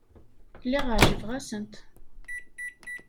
Lliɣ ɛejbeɣ-asent.